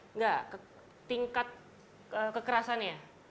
enggak tingkat kekerasan ya